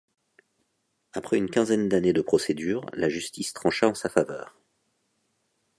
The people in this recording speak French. Après une quinzaine d'années de procédure, la justice trancha en sa faveur.